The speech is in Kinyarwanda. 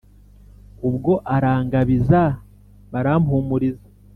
ubwo arangabiza barampuhura.